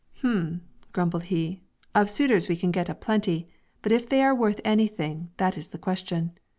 "Hm!" grumbled he, "of suitors we can get a plenty; but if they are worth anything, that is the question.